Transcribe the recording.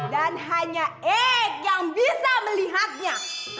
dan hanya eik yang bisa melihatnya